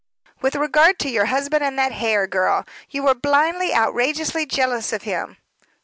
"With regard to your husband and that Hare girl. You were blindly, outrageously jealous of him."